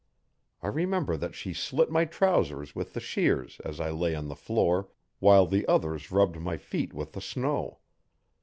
I remember that she slit my trousers with the shears as I lay on the floor, while the others rubbed my feet with the snow.